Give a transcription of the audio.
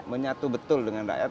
menyatu betul dengan rakyat